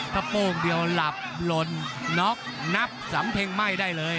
ถ้าโป้งเดียวหลับหล่นน็อกนับสำเพ็งไหม้ได้เลย